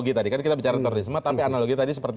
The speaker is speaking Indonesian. tidak ada sampai hari ini